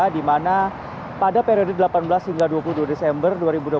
di mana pada periode delapan belas hingga dua puluh dua desember dua ribu dua puluh